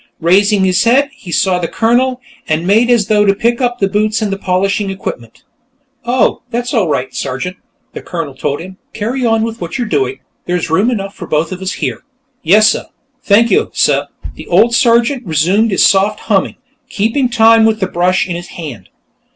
Raising his head, he saw the Colonel, and made as though to pick up the boots and polishing equipment. "Oh, that's all right, Sergeant," the Colonel told him. "Carry on with what you're doing. There's room enough for both of us here." "Yessuh; thank yo', suh." The old ex sergeant resumed his soft humming, keeping time with the brush in his hand.